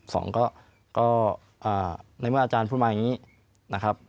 สองก็ในเมื่ออาจารย์พูดมาอย่างนี้นะครับ